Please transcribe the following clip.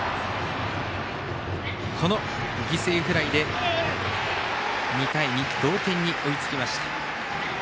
この犠牲フライで、２対２同点に追いつきました。